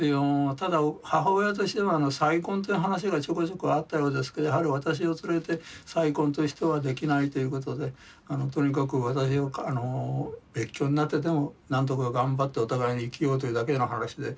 ただ母親としては再婚という話がちょこちょこあったようですけどやはり私を連れて再婚としてはできないということでとにかく私を別居になってでもなんとか頑張ってお互いに生きようというだけの話で。